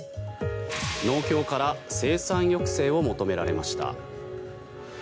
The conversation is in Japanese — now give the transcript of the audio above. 農協から生産抑制を求められました。